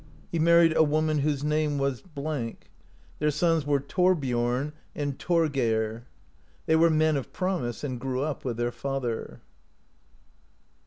He married a woman whose name was ... their sons were Thorbiom and Thorgeir. They were men of promise, and grew up with their father.